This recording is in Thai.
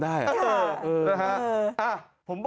ใครน่ะช่างธรรม